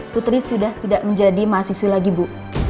putri sudah tidak menjadi mahasiswi lagi bu